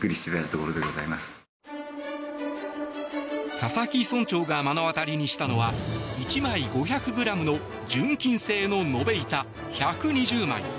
佐々木村長が目の当たりにしたのは１枚５００ｇの純金製の延べ板１２０枚。